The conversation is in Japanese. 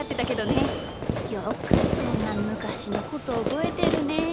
よくそんなむかしのことおぼえてるねえ。